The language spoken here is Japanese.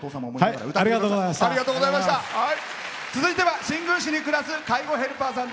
続いては新宮市に暮らす介護ヘルパーさん。